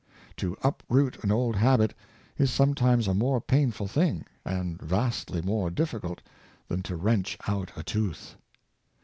To uproot an old habit is sometimes a more painful thing, and vastly more dif ficult than to wrench out a tooth.